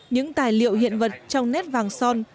những tài liệu hiện vật trong nét vàng son